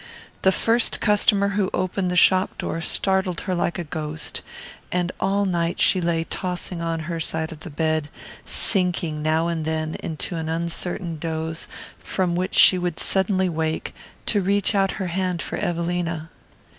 The first customer who opened the shop door startled her like a ghost; and all night she lay tossing on her side of the bed, sinking now and then into an uncertain doze from which she would suddenly wake to reach out her hand for Evelina.